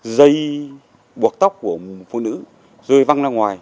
dây buộc tóc của một phụ nữ rơi văng ra ngoài